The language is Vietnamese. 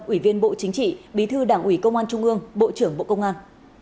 ủy viên bộ chính trị bí thư đảng ủy công an trung ương bộ trưởng bộ công an